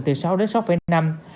từ sáu đến sáu năm